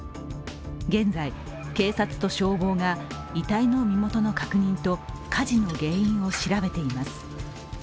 現在、警察と消防が遺体の身元の確認と火事の原因を調べています。